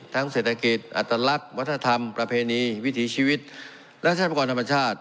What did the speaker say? เศรษฐกิจอัตลักษณ์วัฒนธรรมประเพณีวิถีชีวิตและทรัพยากรธรรมชาติ